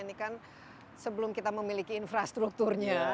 ini kan sebelum kita memiliki infrastrukturnya